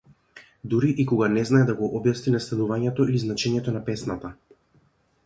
Дури и кога не знае да го објасни настанувањето или значењето на песната.